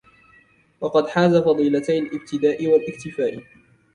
وَقَدْ حَازَ فَضِيلَتَيْ الِابْتِدَاءِ وَالِاكْتِفَاءِ